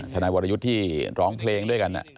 ทนายวรยุทธ์ที่ร้องเพลงด้วยกัน